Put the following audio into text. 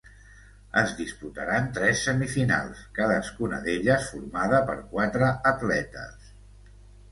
Es disputaren tres semifinals, cadascuna d'elles formada per quatre atletes.